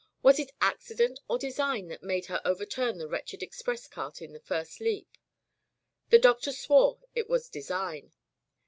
Was it accident or design that made her overturn the wretched express cart in the first leap ? The Doctor swore it was de sign.